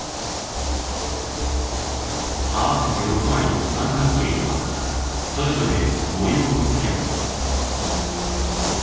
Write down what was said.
合わせて６枚の三角形にはそれぞれ模様をつけます。